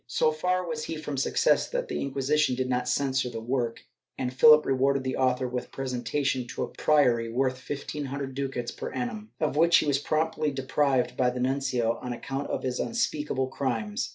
So far was he from success that the Inquisition did not censure the work, and Philip rewarded the author with presentation to a priory worth fifteen hundred ducats per annum, of which he was promptly deprived by the nuncio, on account of his unspeakable crimes.